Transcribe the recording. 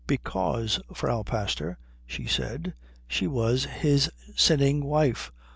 "Because, Frau Pastor," she said, "she was his sinning wife."